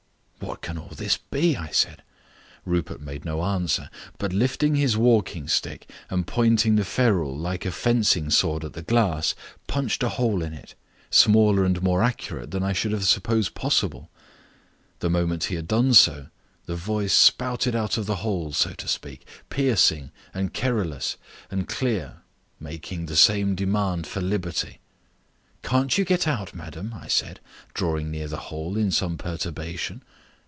"What can all this be?" I said. Rupert made no answer, but lifting his walking stick and pointing the ferrule like a fencing sword at the glass, punched a hole in it, smaller and more accurate than I should have supposed possible. The moment he had done so the voice spouted out of the hole, so to speak, piercing and querulous and clear, making the same demand for liberty. "Can't you get out, madam?" I said, drawing near the hole in some perturbation.